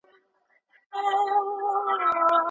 په لاس لیکل د ذهن او بدن ترمنځ پول جوړوي.